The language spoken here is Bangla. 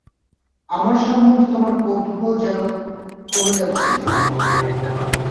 আমার সম্বন্ধে তোমার কৌতুহল যেন কমে যাচ্ছে বৌ।